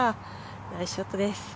ナイスショットです。